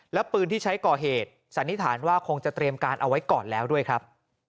และปืนที่ใช้ก่อเหตุสันนิษฐานว่าคงจะเตรียมการเอาไว้ก่อนแล้วด้วยครับ